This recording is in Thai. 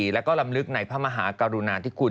แล้วก็ลำลึกในพระมหากรุณาธิคุณ